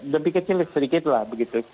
lebih kecil sedikitlah begitu